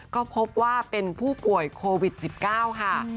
ก็พบว่าเป็นผู้ป่วยโควิด๑๙ค่ะ